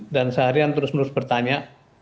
dan seharian terus menerus bertanya